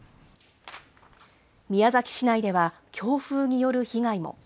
宮崎市内では強風による被害も。